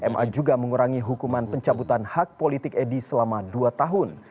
ma juga mengurangi hukuman pencabutan hak politik edi selama dua tahun